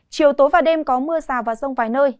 chiều tối và đêm có mưa rào và rông vài nơi